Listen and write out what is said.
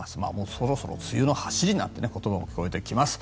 そろそろ梅雨の走りなんて言葉も聞こえてきます。